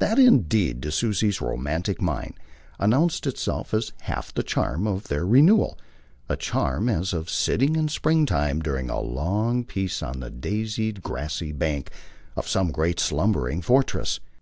That indeed, to Susie's romantic mind, announced itself as half the charm of their renewal a charm as of sitting in springtime, during a long peace, on the daisied grassy bank of some great slumbering fortress.